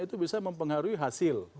itu bisa mempengaruhi hasil